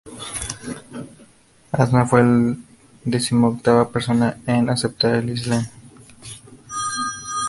Asma fue la decimoctava persona en aceptar el Islam.